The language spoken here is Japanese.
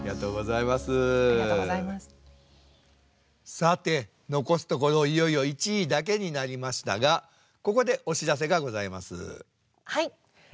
さて残すところいよいよ１位だけになりましたがここでお知らせがございます。